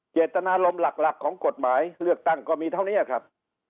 เจตนารมณ์หลักของกฎหมายเลือกตั้งก็มีเท่านี้ครับ